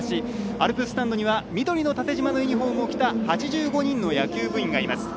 アルプススタンドには緑の縦じまのユニフォームを着た８５人の部員がいます。